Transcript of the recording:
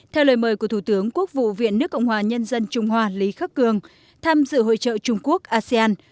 theo lời mời của thủ tướng quốc vụ viện nước cộng hòa nhân dân trung hoa lý khắc cường tham dự hội trợ trung quốc asean